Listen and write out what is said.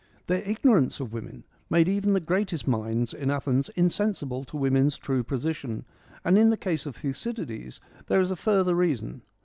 Their ignorance of women made even the greatest minds in Athens insensible to women's true position, and in the case of Thucydides there is a further reason.